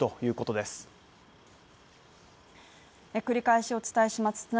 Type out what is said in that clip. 繰り返しお伝えします